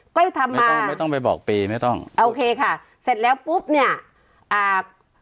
ไม่ทำไม่ต้องไม่ต้องไปบอกปีไม่ต้องโอเคค่ะเสร็จแล้วปุ๊บเนี้ยอ่า